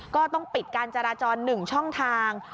ก็ต้องปิดการจราจร๑ช่องทาง